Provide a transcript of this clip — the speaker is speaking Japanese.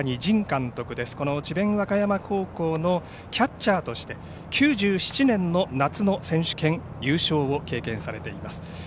和歌山高校のキャッチャーとして９７年の夏の選手権優勝を経験されています。